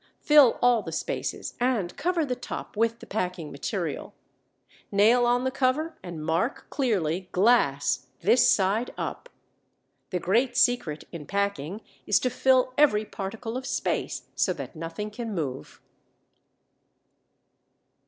Fill all the spaces and cover the top with the packing material. Nail on the cover and mark clearly: GLASS. THIS SIDE UP. The great secret in packing is to fill every particle of space so that nothing can move.